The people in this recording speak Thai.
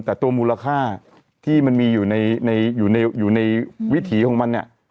แต่ตัวมูลค่าที่มันมีอยู่ในวิถีของมันเนี่ย